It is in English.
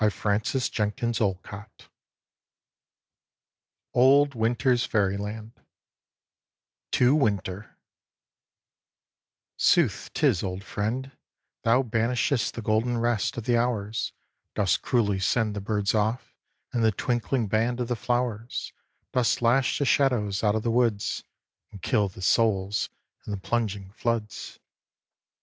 James Clarence Mangan OLD WINTER'S FAIRYLAND TO WINTER Sooth 'tis, old Friend, Thou banishest The golden rest Of the hours; Dost cruelly send The birds off, and The twinkling band Of the flowers; Dost lash the shadows out of the woods, And kill the souls in the plunging floods.